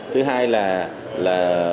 thứ hai là